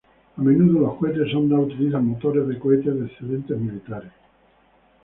A menudo los cohetes sonda utilizan motores de cohetes de excedentes militares.